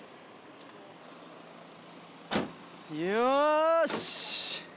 よし！